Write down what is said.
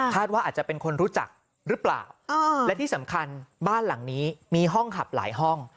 ว่าอาจจะเป็นคนรู้จักหรือเปล่าและที่สำคัญบ้านหลังนี้มีห้องขับหลายห้อง